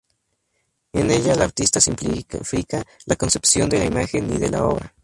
En ella la artista simplifica la concepción de la imagen y de la obra.